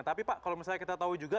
tapi pak kalau misalnya kita tahu juga